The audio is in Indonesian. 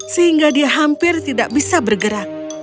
sehingga dia hampir tidak bisa bergerak